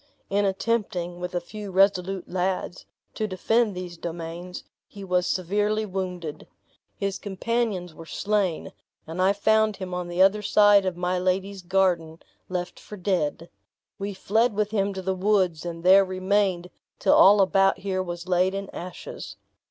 In attempting, with a few resolute lads, to defend these domains, he was severely wounded. His companions were slain, and I found him on the other side of my lady's garden left for dead. We fled with him to the woods, and there remained till all about here was laid in ashes.